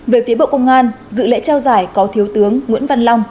về phía bộ công an dự lễ trao giải có thiếu tướng nguyễn văn long